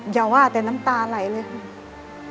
อย่าว่าแต่น้ำตาไหลเลยคุณแม่